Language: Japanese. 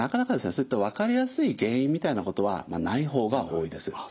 そういった分かりやすい原因みたいなことはない方が多いです。